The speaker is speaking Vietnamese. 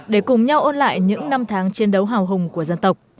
để cùng nhau ôn lại những năm tháng chiến đấu hào hùng của dân tộc